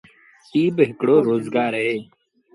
ايٚ با هڪڙو روزگآر اهي۔